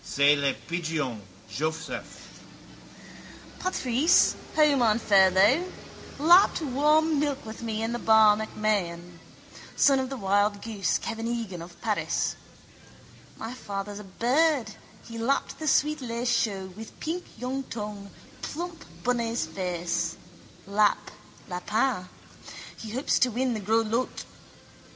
_ —C'est le pigeon, Joseph. Patrice, home on furlough, lapped warm milk with me in the bar MacMahon. Son of the wild goose, Kevin Egan of Paris. My father's a bird, he lapped the sweet lait chaud with pink young tongue, plump bunny's face. Lap, lapin. He hopes to win in the gros lots.